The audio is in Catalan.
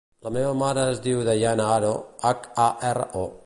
La meva mare es diu Dayana Haro: hac, a, erra, o.